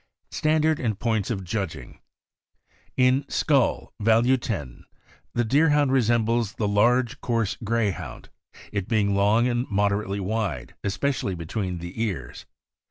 STANDARD AND POINTS OF JUDGING. In skull (value 10), the Deerhound resembles the large, coarse Greyhound, it being long and moderately wide, especially between the ears.